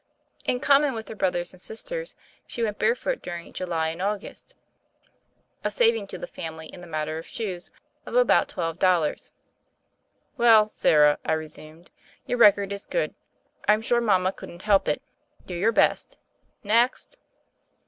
In common with her brothers and sisters she went barefoot during July and August — a saving to the family, in the matter of shoes, of about twelve dollars. "Well, Sarah," I resumed, "your record is good. I'm sure mama couldn't help it. Do your best. Next!"